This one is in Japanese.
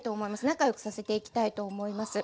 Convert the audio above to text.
仲良くさせていきたいと思います。